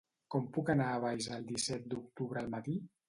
Com puc anar a Valls el disset d'octubre al matí?